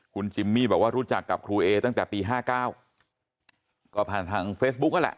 คุณจิมมี่บอกว่ารู้จักกับครูเอตั้งแต่ปี๕๙ก็ผ่านทางเฟซบุ๊กนั่นแหละ